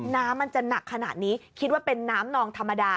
น้ำมันจะหนักขนาดนี้คิดว่าเป็นน้ำนองธรรมดา